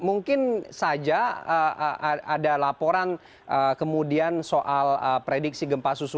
ya mungkin saja ada laporan kemudian soal prediksi gempa